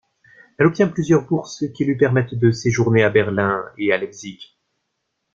Elle obtient plusieurs bourses qui lui permettent de séjourner à Berlin et à Leipzig.